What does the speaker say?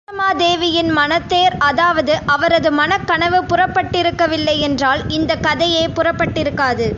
சோழமாதேவியின் மனத்தேர் அதாவது, அவரது மனக்கனவு புறப்பட்டிருக்கவில்லை யென்றால், இந்தக் கதையே புறப்பட்டிருக்காது.